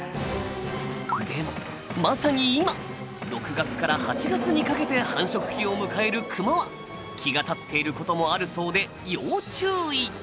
でもまさに今６月から８月にかけて繁殖期を迎えるクマは気が立っている事もあるそうで要注意！